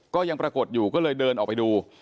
ก็ยังปรากฏอยู่ก็เลยเดินออกไปดู